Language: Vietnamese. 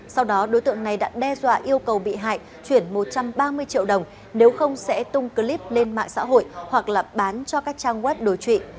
sau đó đối tượng này đã đe dọa yêu cầu bị hại chuyển một trăm ba mươi triệu đồng nếu không sẽ tung clip lên mạng xã hội hoặc là bán cho các trang web đối trị